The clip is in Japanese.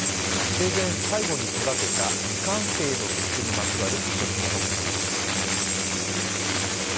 生前、生後に手がけた未完成の曲にまつわる人々の思いです。